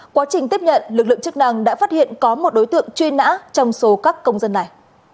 quá trình tiếp nhận lực lượng chức năng đã phát hiện có một đối tượng truy nã trong số các công dân này